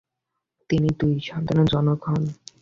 তিনি দুই সন্তানের জনক হন।